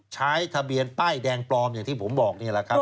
ใช้ทะเบียนป้ายแดงปลอมอย่างที่ผมบอกนี่แหละครับ